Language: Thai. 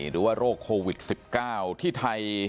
หรือว่าโรคโควิด๑๙ที่ไทย